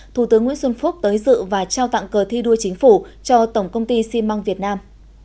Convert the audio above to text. thủ tướng nguyễn xuân phúc tới dự và trao tặng cờ thi đua chính phủ cho tổng công ty xi măng việt nam